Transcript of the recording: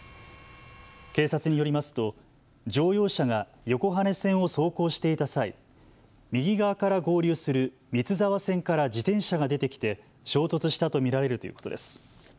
警察によりますと乗用車が横羽線を走行していた際、右側から合流する三ツ沢線から自転車が出てきて衝突したと見られるということです。